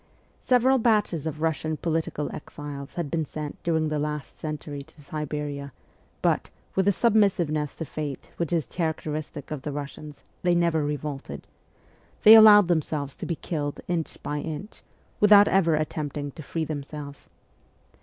Several batches of Russian political exiles had been sent during the last century to Siberia, but, with the submissiveness to fate which is characteristic of the Russians, they never revolted ; they allowed themselves to be killed inch by inch, without ever attempting to free themselves.